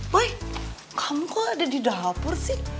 boy kamu kok ada di dapur sih